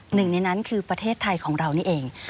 หนึ่งในนั้นคือประเทศไทยของเรานี่เอง